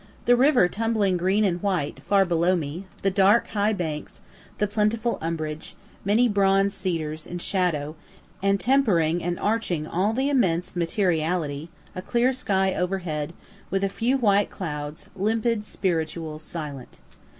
The river tumbling green and white, far below me; the dark high banks, the plentiful umbrage, many bronze cedars, in shadow; and tempering and arching all the immense materiality, a clear sky overhead, with a few white clouds, limpid, spiritual, silent.